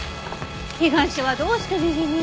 被害者はどうして右に？